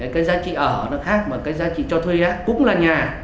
cái giá trị ở nó khác mà cái giá trị cho thuê ác cũng là nhà